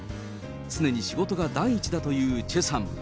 常に仕事が第一だというチェさん。